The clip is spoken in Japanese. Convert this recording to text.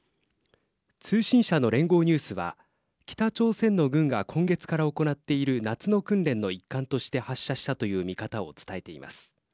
通信社の連合ニュースは北朝鮮の軍が今月から行っている夏の訓練の一環として発射したという見方を伝えています。